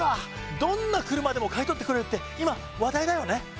どんな車でも買い取ってくれるって今話題だよね。